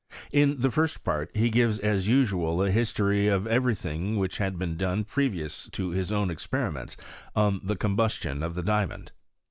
In the first part he gives as usual a history of every thing which had been done previous to his own experiments on the combustion of the diamond.